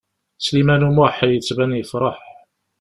Sliman U Muḥ yettban yefṛeḥ.